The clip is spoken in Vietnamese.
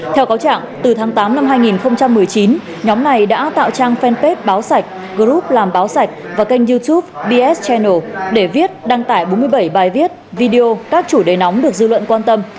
theo cáo trạng từ tháng tám năm hai nghìn một mươi chín nhóm này đã tạo trang fanpage báo sạch group làm báo sạch và kênh youtube bs tranal để viết đăng tải bốn mươi bảy bài viết video các chủ đề nóng được dư luận quan tâm